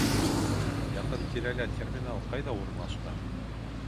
Яҡын тирәлә терминал ҡайҙа урынлашҡан?